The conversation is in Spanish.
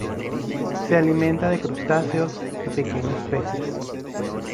Se alimenta de crustáceos y pequeños peces.